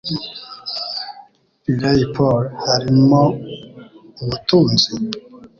Riley Poole: Harimo ubutunzi?